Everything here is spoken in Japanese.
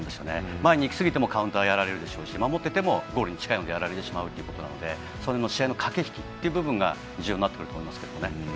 前にいきすぎてもカウンターやられるし守っていてもゴールに近いのでやられてしまうということでその試合の駆け引きという部分が重要になってくると思いますね。